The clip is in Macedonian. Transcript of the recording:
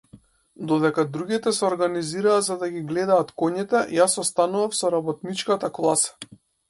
Додека другите се организираа за да ги гледаат коњите, јас останував со работничката класа.